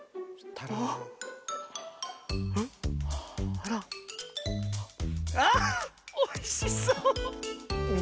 あら。あっおいしそう！